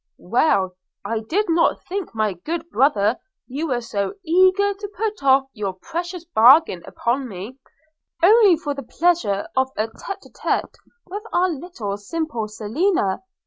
Well – I did not think, my good brother, you were so eager to put off your precious bargain upon me, only for the pleasure of a tête à tête with our little simple Selina.